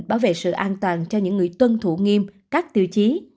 bảo vệ sự an toàn cho những người tuân thủ nghiêm các tiêu chí